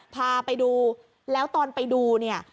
พาไปดูแล้วตอนไปดูเนี่ย